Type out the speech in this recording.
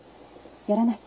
やらない？